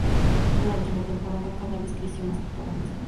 Durante la temporada, cada vez careció más de protagonismo.